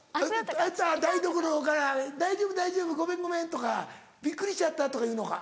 台所から「大丈夫大丈夫ごめんごめん」とか「びっくりしちゃった」とか言うのか？